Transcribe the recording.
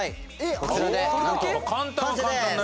こちらでなんと完成です！